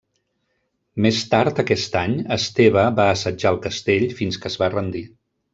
Més tard aquest any, Esteve va assetjar el castell fins que es va rendir.